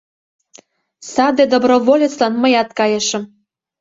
Саде доброволецлан мыят кайышым.